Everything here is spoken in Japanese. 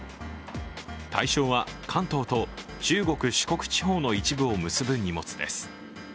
対象は関東と中国、四国地方の一部を結ぶ荷物です。